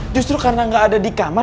justru karena nggak ada di kamar